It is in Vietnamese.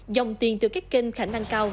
dòng tiền từ các kênh khả năng cao